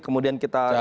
kemudian kita sandikan